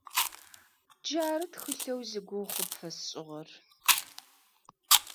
Джары тхылъэу зигугъу къыпфэсшӀыгъэр.